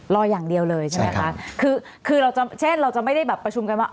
รออย่างเดียวเลยใช่ไหมคะคือคือเราจะเช่นเราจะไม่ได้แบบประชุมกันว่า